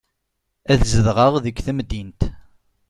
Ad nezdeɣ deg temdint.